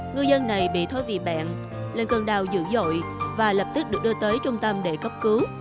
ngư dân này bị thối vị bẹn lên cơn đào dữ dội và lập tức được đưa tới trung tâm để cấp cứu